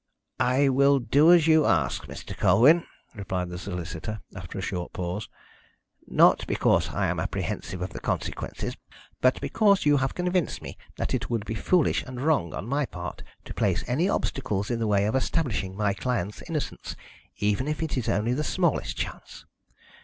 "I will do as you ask, Mr. Colwyn," replied the solicitor, after a short pause. "Not because I am apprehensive of the consequences, but because you have convinced me that it would be foolish and wrong on my part to place any obstacles in the way of establishing my client's innocence, even if it is only the smallest chance.